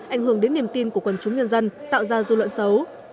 ảnh hưởng đến niềm tin của quần chúng nhân dân tạo ra dư luận xấu